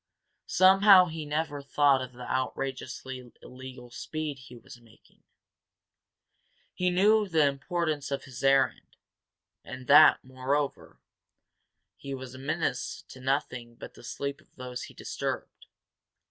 Somehow he never thought of the outrageously illegal speed he was making. He knew the importance of his errand, and that, moreover, he was a menace to nothing but the sleep of those he disturbed.